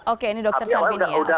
oke ini dokter sambil ini ya